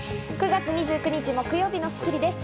９月２９日、木曜日の『スッキリ』です。